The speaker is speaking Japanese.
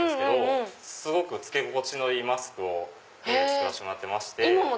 すごく着け心地のいいマスクを作らせてもらってまして。